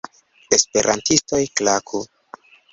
Esperantistoj klaku!